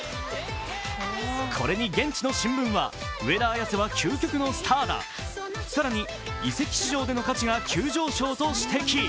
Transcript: これに現地の新聞は上田綺世は究極のスターだ、更に移籍市場の価値が急上昇と指摘。